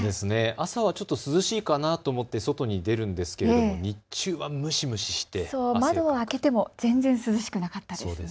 朝はちょっと涼しいかなと思って外に出るんですけど日中は蒸し蒸しして窓を開けても全然涼しくなかったですね。